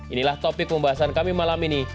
inilah topik pembahasan kami malam ini